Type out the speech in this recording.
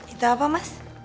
itu apa mas